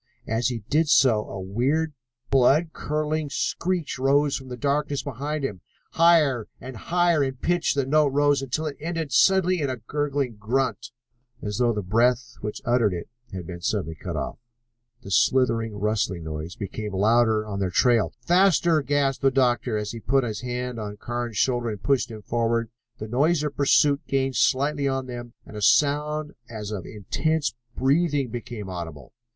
As he did so a weird, blood curdling screech rose from the darkness behind them. Higher and higher in pitch the note rose until it ended suddenly in a gurgling grunt, as though the breath which uttered it had been suddenly cut off. The slithering, rustling noise became louder on their trail. "Faster!" gasped the doctor, as he put his hand on Carnes' shoulder and pushed him forward. The noise of pursuit gained slightly on them, and a sound as of intense breathing became audible.